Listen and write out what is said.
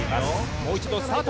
もう一度スタート！